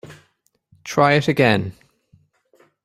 Try it again.